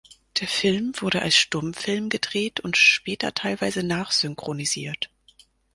Der Film wurde als Stummfilm gedreht und später teilweise nachsynchronisiert.